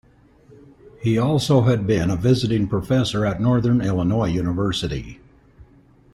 He also had been a visiting professor at Northern Illinois University.